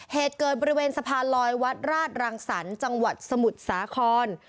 เหตุเกิดบริเวณสะพานลอยวัดราชรังสรรค์จังหวัดสมุทรสาคร